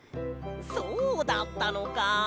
そうだったのか。